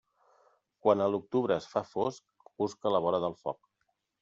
Quan a l'octubre es fa fosc, busca la vora del foc.